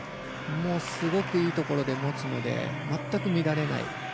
すごくいいところで持つので全く乱れない。